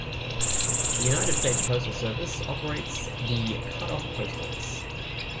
The United States Postal Service operates the Cut Off Post Office.